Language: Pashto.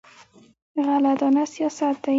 غله دانه سیاست دی.